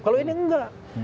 kalau ini enggak